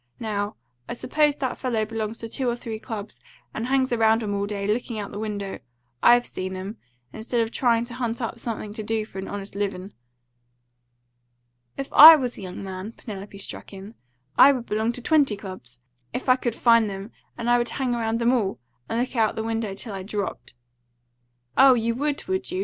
Now, I suppose that fellow belongs to two or three clubs, and hangs around 'em all day, lookin' out the window, I've seen 'em, instead of tryin' to hunt up something to do for an honest livin'." "If I was a young man," Penelope struck in, "I would belong to twenty clubs, if I could find them and I would hang around them all, and look out the window till I dropped." "Oh, you would, would you?"